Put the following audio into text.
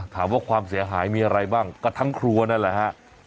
ความเสียหายมีอะไรบ้างก็ทั้งครัวนั่นแหละฮะ